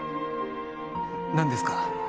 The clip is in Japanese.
何ですか？